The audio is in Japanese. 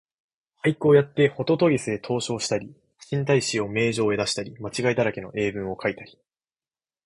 俳句をやってほととぎすへ投書をしたり、新体詩を明星へ出したり、間違いだらけの英文をかいたり、